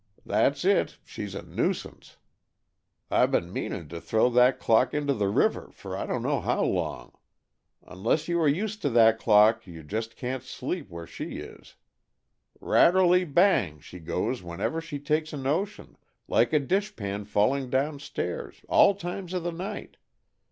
That's it, she's a nuisance.' I been meaning to throw that clock into the river for I don't know how long. Unless you are used to that clock you just can't sleep where she is. 'Rattelty bang!' she goes just whenever she takes a notion, like a dish pan falling downstairs, all times of the night.